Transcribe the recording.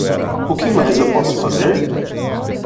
O que mais eu posso fazer?